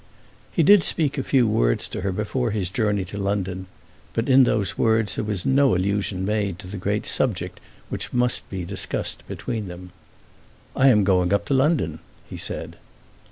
He did speak a few words to her before his journey to London, but in those words there was no allusion made to the great subject which must be discussed between them. "I am going up to London," he said.